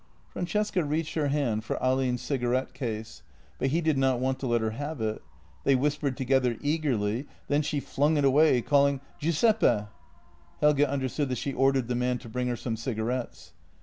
Francesca reached her hand for Ahlin's cigarette case, but he did not want to let her have it; they whispered together eagerly, then she flung it away, calling: " Giuseppe! " Helge understood that she ordered the man to bring her some cigarettes.